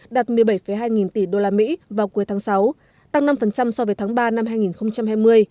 đạt một mươi bảy hai nghìn tỷ usd vào cuối tháng sáu tăng năm so với tháng ba năm hai nghìn hai mươi